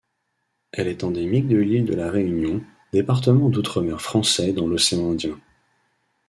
Elle est endémique de l'île de La Réunion, département d'outre-mer français dans l'océan Indien.